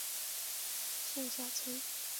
宋小濂是清朝监生。